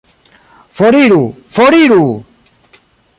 Foriru! Foriru!